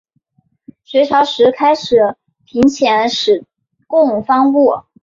隋朝时开始频遣使贡方物。